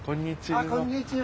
あっこんにちは。